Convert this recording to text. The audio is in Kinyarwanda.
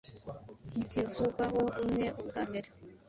ntikivugwaho rumwe Ubwa mbere